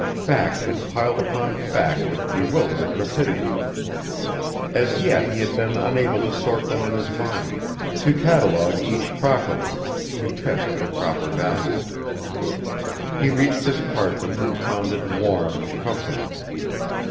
Fact had piled upon fact with bewildering rapidity. As yet he had been unable to sort them in his mind, to catalogue each properly, to test for proper value. He reached his apartment and found it warm and comfortable.